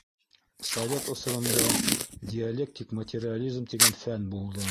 Совет осоронда диалектик материализм тигән фән булды.